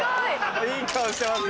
いい顔してますね。